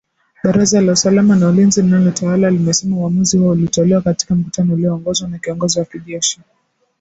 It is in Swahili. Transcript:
Baraza la usalama na ulinzi linalotawala limesema uamuzi huo ulitolewa katika mkutano ulioongozwa na kiongozi wa kijeshi